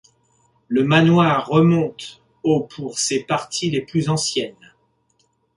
Le manoir remonte au pour ses parties les plus anciennes.